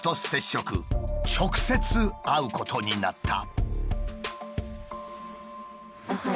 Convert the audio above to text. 直接会うことになった。